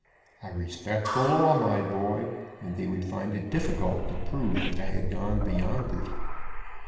I respect the law, my boy, and they would find it difficult to prove that I had gone beyond it.